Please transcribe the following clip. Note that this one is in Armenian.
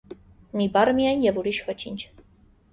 Մի բառ միայն և ուրիշ ոչինչ: